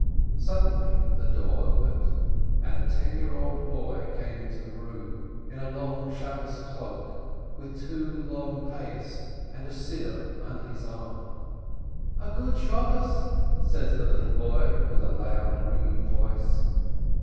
188 HOSENTHAL Suddenly the door opened and a ten year old boy came into the room, in a long Sabbath cloak, with two long earlocks, and a prayer book under his arm. "A good Sabbath!" said the little boy, with a loud, ringing voice.